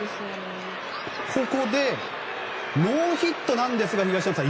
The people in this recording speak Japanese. ここでノーヒットなんですが東山さん